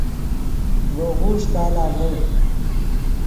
ڤے غوݰ تال آڤر